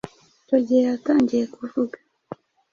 Icyo gihe yatangiye kuvuga